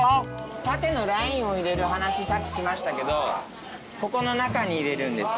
縦のラインを入れる話さっきしましたけどここの中に入れるんです。